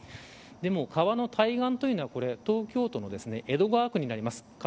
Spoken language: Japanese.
でも、川の対岸というのは東京都江戸川区になります。